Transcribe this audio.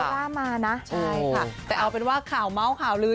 ใช่ค่ะเอาเป็นว่าข่าวเม้าคลาวลื้อ